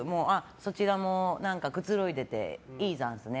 そちらもくつろいでていいざんすね。